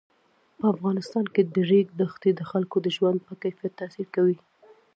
په افغانستان کې د ریګ دښتې د خلکو د ژوند په کیفیت تاثیر کوي.